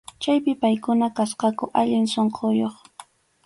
Chaypi paykuna kasqaku allin sunquyuq.